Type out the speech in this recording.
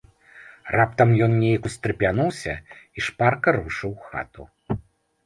Раптам ён нейк устрапянуўся і шпарка рушыў у хату.